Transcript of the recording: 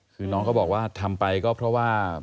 คือน้องก็บอกว่าทำไปก็เพราะว่า